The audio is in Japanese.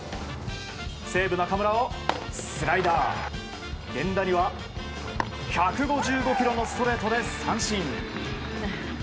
西武、中村をスライダー源田には１５５キロのストレートで三振。